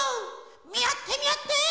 みあってみあって！